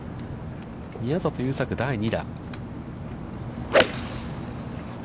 宮里優作、第２打。